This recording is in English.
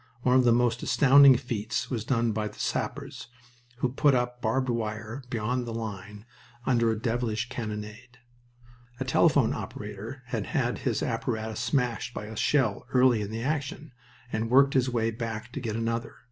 One of the most astounding feats was done by the sappers, who put up barbed wire beyond the line under a devilish cannonade. A telephone operator had had his apparatus smashed by a shell early in the action, and worked his way back to get another.